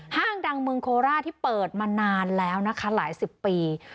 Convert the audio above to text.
ห้างดังเมืองโคราชที่เปิดมานานแล้วนะคะหลายสิบปี